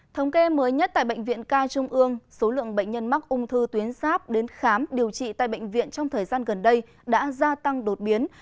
thống kê mới nhất tại bệnh viện ca trung ương số lượng bệnh nhân mắc ung thư tuyến giáp đến khám điều trị tại bệnh viện trong thời gian gần đây đã gia tăng đột biến